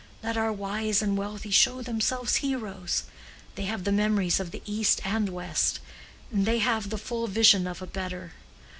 Let our wise and wealthy show themselves heroes. They have the memories of the East and West, and they have the full vision of a better.